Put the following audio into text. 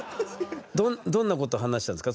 どんなこと話したんですか？